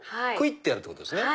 ってやるってことですね。